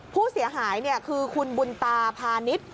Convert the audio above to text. ผู้เสียหายคือคุณบุญตาพาณิชย์